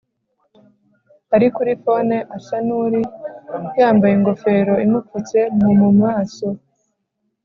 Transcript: ari kuri phone asa nuri yambaye ingofero imupfutse mu mu maso